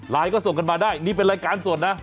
ก็ส่งกันมาได้นี่เป็นรายการสดนะ